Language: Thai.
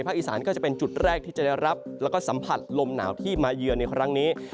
อีสานก็จะเป็นจุดแรกที่จะได้รับแล้วก็สัมผัสลมหนาวที่มาเยือนในครั้งนี้